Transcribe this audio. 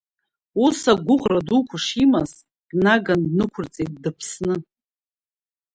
Ус, агәыӷра дуқәа шимаз, днаган днықәырҵеит, дыԥсны.